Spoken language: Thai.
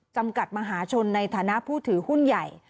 จำกัดมหาชนในฐานะผู้ถือหุ้นใหญ่